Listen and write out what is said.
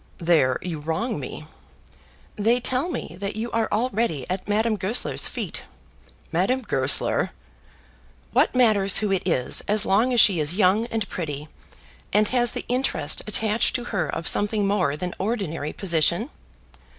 "There you wrong me." "They tell me that you are already at Madame Goesler's feet." "Madame Goesler!" "What matters who it is as long as she is young and pretty, and has the interest attached to her of something more than ordinary position?